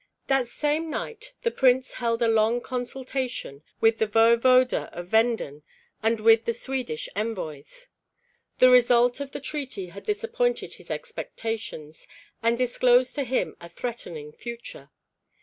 That same night the prince held a long consultation with the voevoda of Venden and with the Swedish envoys. The result of the treaty had disappointed his expectations, and disclosed to him a threatening future.